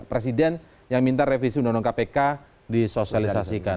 presiden yang minta revisi undang undang kpk disosialisasikan